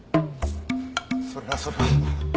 それはそれは。